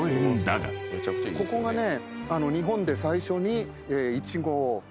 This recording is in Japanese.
ここがね。